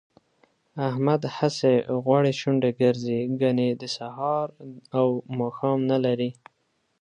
احمد هسې غوړې شونډې ګرځي، ګني د سهار او ماښام نه لري